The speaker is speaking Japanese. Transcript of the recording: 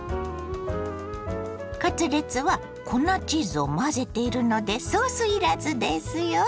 カツレツは粉チーズを混ぜているのでソースいらずですよ。